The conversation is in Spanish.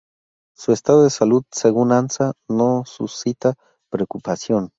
Su estado de salud, según Ansa, no suscita preocupación.